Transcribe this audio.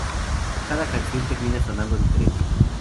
Cada canción termina sonando diferente.